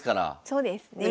そうですね。